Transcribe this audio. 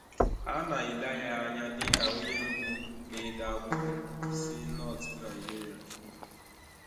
A na-ele ya anya dịka onye mbụ na-ede akwụkwọ si Northern Nigeria.